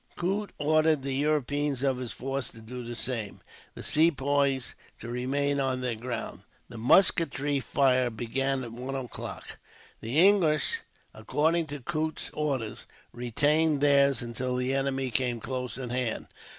Coote ordered the Europeans of his force to do the same, the Sepoys to remain on their ground. The musketry fire began at one o'clock. The English, according to Coote's orders, retained theirs until the enemy came close at hand.